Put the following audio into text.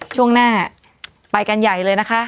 ช่วงหน้าไปกันใหญ่เลยนะคะ